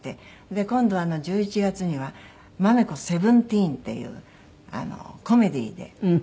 で今度１１月には『豆子セブンティーン』っていうコメディーで。